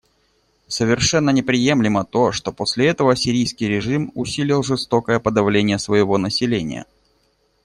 Совершенно неприемлемо то, что после этого сирийский режим усилил жестокое подавление своего населения.